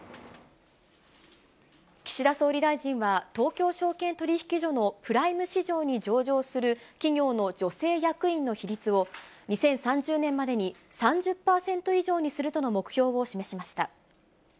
岸田総理大臣は、東京証券取引所のプライム市場に上場する企業の女性役員の比率を、２０３０年までに３０％以上にするとの目標を示しました。